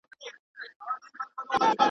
په كوڅو كي يې ژوندۍ جنازې ګرځي.